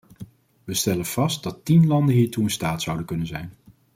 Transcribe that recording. Wij stellen vast dat tien landen hiertoe in staat zouden kunnen zijn.